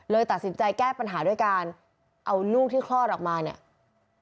ตัดสินใจแก้ปัญหาด้วยการเอาลูกที่คลอดออกมาเนี่ย